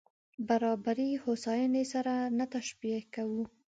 برابري هوساينې سره نه تشبیه کوو.